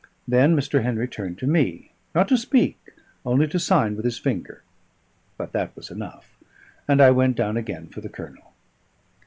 Then Mr. Henry turned to me; not to speak, only to sign with his finger; but that was enough, and I went down again for the Colonel.